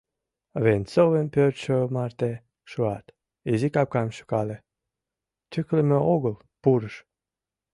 Венцовын пӧртшӧ марте шуат, изи капкам шӱкале — тӱкылымӧ огыл, пурыш.